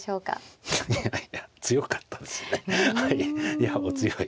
いやお強い。